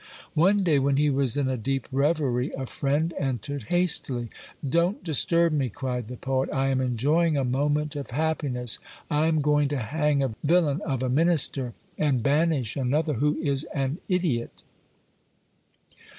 One day when he was in a deep reverie, a friend entered hastily: "Don't disturb me," cried the poet; "I am enjoying a moment of happiness: I am going to hang a villain of a minister, and banish another who is an idiot."